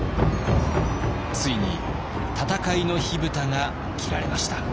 ついに戦いの火蓋が切られました。